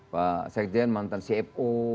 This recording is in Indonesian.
pak zekjen mantan cfo